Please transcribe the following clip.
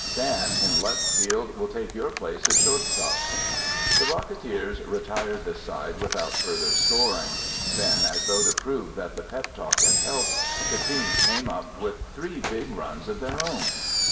Dan, in left field, will take your place at shortstop." The Rocketeers retired the side without further scoring. Then as though to prove that the pep talk had helped, the team came up with three big runs of their own!